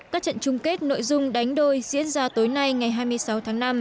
các trận chung kết nội dung đánh đôi diễn ra tối nay ngày hai mươi sáu tháng năm